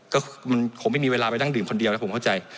ก็ผมไม่มีเวลาไปดั่งดื่มคนเดียวนะครับผมเข้าใจ